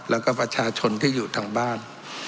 แล้วก็ประชาชนที่อยู่ทางบ้าน